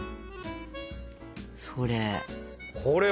それ。